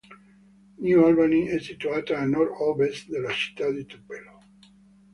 New Albany è situata a nord-ovest della città di Tupelo.